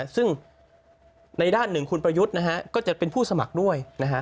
ซึ่งในด้านหนึ่งคุณประยุทธ์ก็จะเป็นผู้สมัครด้วย